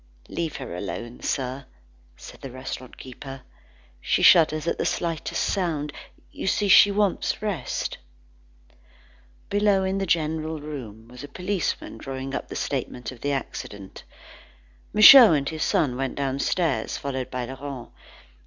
"Leave her alone, sir," said the restaurant keeper, "she shudders at the slightest sound. You see, she wants rest." Below, in the general room, was a policeman drawing up a statement of the accident. Michaud and his son went downstairs, followed by Laurent.